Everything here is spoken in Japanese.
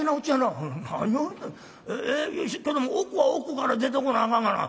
「けども奥は奥から出てこなあかんがな。